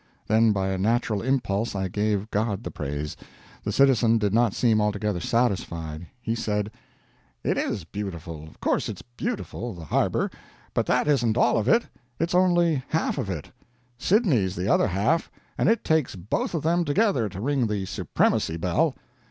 Then by a natural impulse I gave God the praise. The citizen did not seem altogether satisfied. He said: "It is beautiful, of course it's beautiful the Harbor; but that isn't all of it, it's only half of it; Sydney's the other half, and it takes both of them together to ring the supremacy bell.